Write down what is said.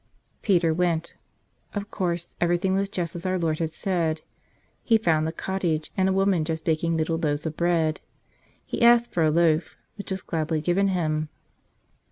Peter went. Of course, everything was just as Our Lord had said. He found the cottage and a woman just baking little loaves of bread. He asked for a loaf, which was gladly given him.